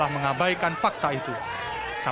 kami menimbau agar tetap berada di rumah